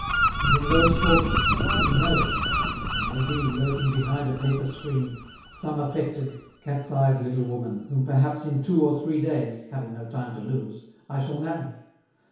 And in those quarters who knows? there may be, lurking behind a paper screen, some affected, cat's eyed little woman, whom perhaps in two or three days (having no time to lose) I shall marry!